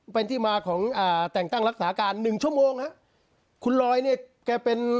เป็นที่มาของอ่าแต่งตั้งรักษาการหนึ่งชั่วโมงฮะคุณลอยเนี่ยแกเป็น